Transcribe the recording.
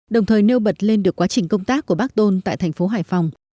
đồng thời nêu bật lên được quá trình công tác của bác tôn tại tp hải phòng